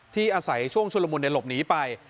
ที่อาศัยช่วงชุดภูมิลลบหนีไป